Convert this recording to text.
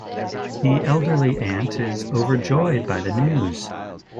The elderly aunt is overjoyed by the news.